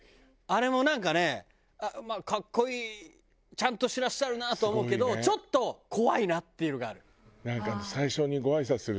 あれもなんかね格好いいちゃんとしてらっしゃるなとは思うけどちょっと怖いなっていうのがある。